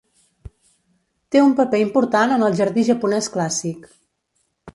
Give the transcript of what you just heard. Té un paper important en el jardí japonès clàssic.